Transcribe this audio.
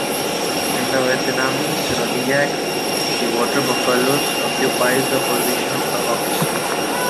In the Vietnamese zodiac, the water buffalo occupies the position of the Ox.